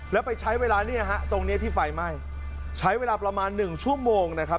แล้วไปใช้เวลาเนี่ยฮะตรงนี้ที่ไฟไหม้ใช้เวลาประมาณหนึ่งชั่วโมงนะครับ